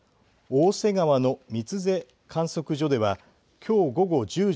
大瀬川の三ツ瀬観測所ではきょう午後１０時１０分